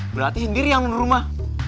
berarti sendiri yang di rumah